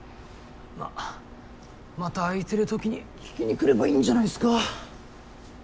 まあまた開いてるときに聞きにくればいいんじゃないっすか？